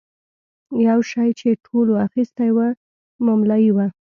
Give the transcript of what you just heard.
یو شی چې ټولو اخیستی و مملايي وه.